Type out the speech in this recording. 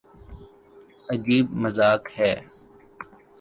عجیب مذاق ہے۔